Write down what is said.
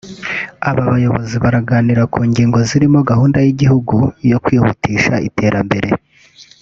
Aba bayobozi baraganira ku ngingo zirimo gahunda y’igihugu yo kwihutisha iterambere